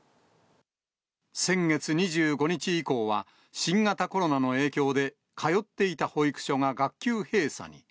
先月２５日以降は、新型コロナの影響で通っていた保育所が学級閉鎖に。